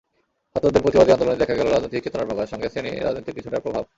ছাত্রদের প্রতিবাদী আন্দোলনে দেখা গেল রাজনৈতিক চেতনার প্রকাশ, সঙ্গে শ্রেণি-রাজনীতির কিছুটা প্রভাব।